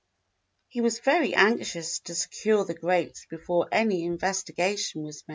He was very anxious to secure the grapes before any investigation was made.